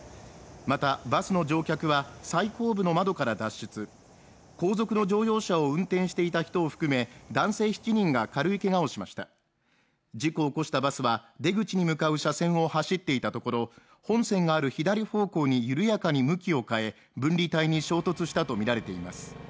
またバスの乗客は最後尾の窓から脱出後続の乗用車を運転していた人を含め男性７人が軽いけがをしました事故を起こしたバスは出口に向かう車線を走っていたところ本線がある左方向に緩やかに向きを変え分離帯に衝突したと見られています